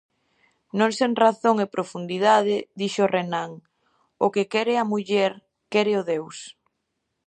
Non sen razón e profundidade dixo Renan: "O que quere a muller quéreo Deus".